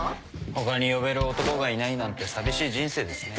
他に呼べる男がいないなんて寂しい人生ですね。